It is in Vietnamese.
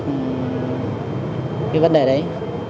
cái vấn đề đấy